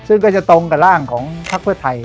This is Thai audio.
ซึ่งก็จะตรงกับร่างของพักเพื่อไทย